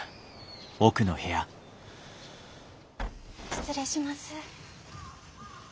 ・失礼します。